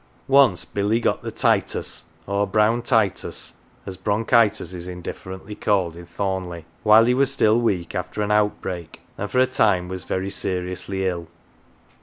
"" Once Billy got "the titus," or " brown titus " as bronchitis is indifferently called in Thornleigh while he was still weak after an outbreak, and for a time was very seriously ill.